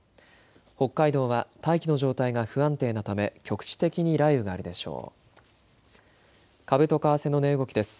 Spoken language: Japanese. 北海道は大気の状態が不安定なため局地的に雷雨があるでしょう。